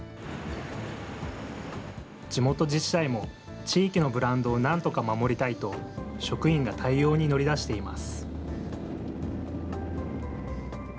地元自治体も地域のブランドをなんとか守りたいと、職員が対応に乗り出しています。